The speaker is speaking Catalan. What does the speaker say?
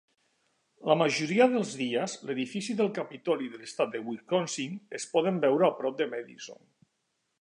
La majoria dels dies, l'edifici del Capitoli de l'estat de Wisconsin es pot veure a prop de Madison.